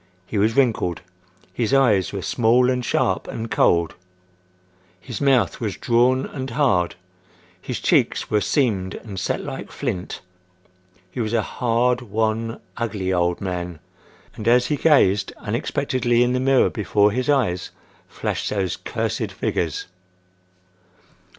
He was wrinkled. His eyes were small and sharp and cold. His mouth was drawn and hard. His cheeks were seamed and set like flint. He was a hard, wan, ugly old man; and as he gazed, unexpectedly in the mirror before his eyes, flashed those cursed figures.